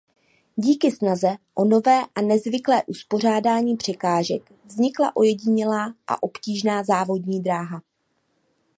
Díky snaze o nové a nezvyklé uspořádání překážek vznikla ojedinělá a obtížná závodní dráha.